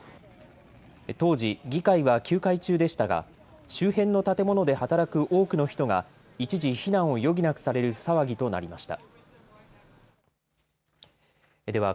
当時、議会は休会中でしたが周辺の建物で働く多くの人が一時避難を余儀なくされる騒ぎとなりました。